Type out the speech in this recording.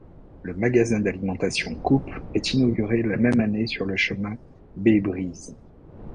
Le magasin d'alimentation Coop est inaugurée la même année sur le chemin Baybreeze.